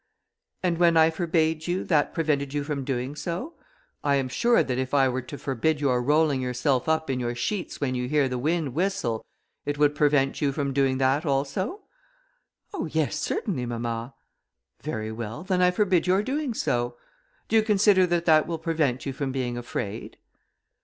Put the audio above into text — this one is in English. "And, when I forbade you, that prevented you from doing so; I am sure that if I were to forbid your rolling yourself up in your sheets, when you hear the wind whistle, it would prevent you from doing that also?" "Oh! yes, certainly, mamma." "Very well, then I forbid your doing so. Do you consider that that will prevent you from being afraid?"